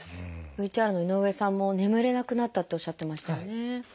ＶＴＲの井上さんも「眠れなくなった」とおっしゃってましたよね。